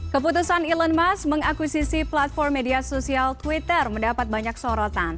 keputusan elon musk mengakuisisi platform media sosial twitter mendapat banyak sorotan